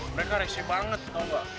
mereka resip banget tau gak